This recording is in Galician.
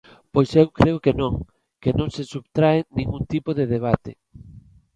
Pois eu creo que non, que non se subtrae ningún tipo de debate.